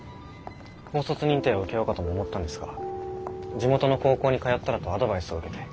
高卒認定を受けようかとも思ったんですが地元の高校に通ったらとアドバイスを受けて。